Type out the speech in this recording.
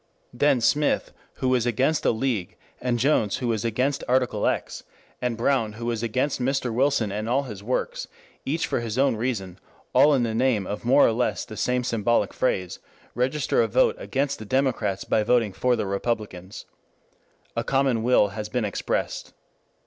Then Smith who was against the League and Jones who was against Article X, and Brown who was against Mr. Wilson and all his works, each for his own reason, all in the name of more or less the same symbolic phrase, register a vote against the Democrats by voting for the Republicans. A common will has been expressed.